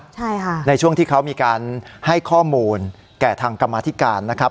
ใช่ค่ะในช่วงที่เขามีการให้ข้อมูลแก่ทางกรรมาธิการนะครับ